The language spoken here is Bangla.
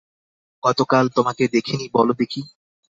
কতকাল তোমাকে দেখি নি বলো দেখি?